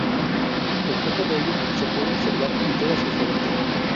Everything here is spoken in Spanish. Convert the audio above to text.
Reflejo de ello, se puede observar en todas sus obras.